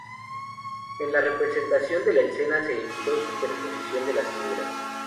En la representación de la escena se evitó la superposición de las figuras.